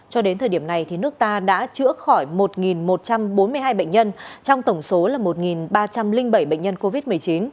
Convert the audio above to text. cho đến thời điểm này nước ta đã chữa khỏi một một trăm bốn mươi hai bệnh nhân trong tổng số là một ba trăm linh bảy bệnh nhân covid một mươi chín